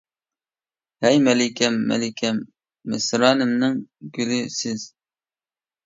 ھەي مەلىكەم مەلىكەم، مىسرانىمنىڭ گۈلى سىز.